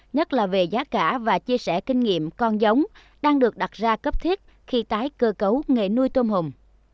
nhất là về giá cả và chia sẻ kinh nghiệm con giống đang được đặt ra cấp thiết khi tái cơ cấu nghề nuôi tôm hùm